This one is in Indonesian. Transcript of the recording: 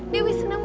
dewi seneng banget